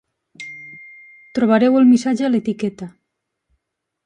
Trobareu el missatge a l'etiqueta.